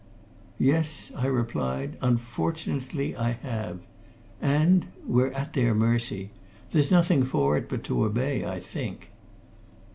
"Yes," I replied. "Unfortunately, I have. And we're at their mercy. There's nothing for it but to obey, I think."